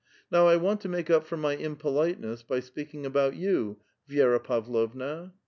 Now I want to make up for my im politeness by speaking about you, Vi^ra Pavlovna.